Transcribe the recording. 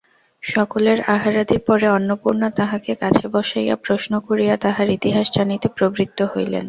সকলের আহারাদির পরে অন্নপূর্ণা তাহাকে কাছে বসাইয়া প্রশ্ন করিয়া তাহার ইতিহাস জানিতে প্রবৃত্ত হইলেন।